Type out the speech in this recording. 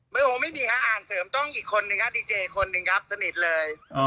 ไม่โหไม่มีค่ะอาหารเสริมต้องอีกคนหนึ่งครับดีเจคนหนึ่งครับสนิทเลย